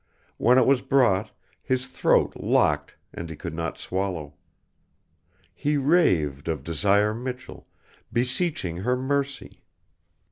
When it was brought, his throat locked and he could not swallow. He raved of Desire Michell, beseeching her mercy.